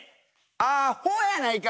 「あほ」やないか！